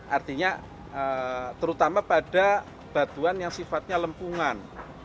artinya terutama pada batuan yang sifatnya lempungan